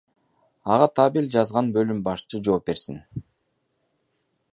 Ага табель жазган бөлүм башчы жооп берсин.